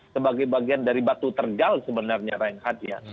sebagai bagian dari batu terjal sebenarnya renghatnya